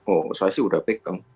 oh saya sih udah pegang